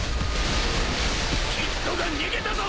キッドが逃げたぞ！